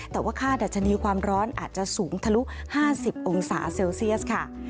แต่ว่าค่าดัชนีความร้อนอาจจะสูงทะลุ๕๐องศาเซลเซียสค่ะ